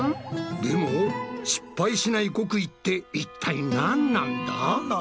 でも失敗しない極意っていったいなんなんだ？